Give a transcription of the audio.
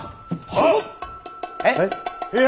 はっ。